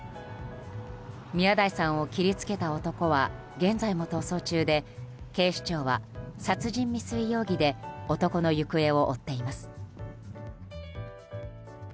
宮台さんを切りつけた男は現在も逃走中で警視庁は殺人未遂容疑で男の行方を追っています。